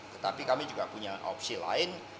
tetapi kami juga punya opsi lain